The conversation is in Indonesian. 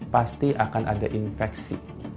pasti akan ada infeksi